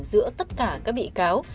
giữa tất cả các bị cáo